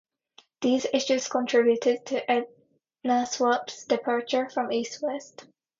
These issues contributed to Ednaswap's departure from East West.